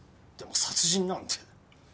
でも殺人なんて。